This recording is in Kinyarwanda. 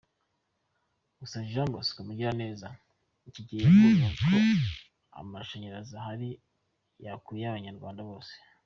Gusa Jean Bosco Mugiraneza iki gihe yavugaga ko amashanyarazi ahari yakwira abanyarwanda bose.